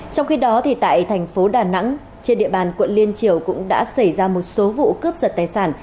trong khi đó tại thành phố đà nẵng trên địa bàn quận liên triều cũng đã xảy ra một số vụ cướp giật tài sản